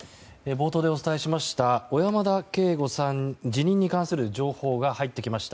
冒頭でお伝えしました小山田圭吾さん辞任に関する情報が入ってきました。